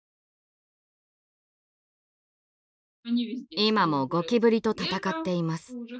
今もゴキブリと戦っています。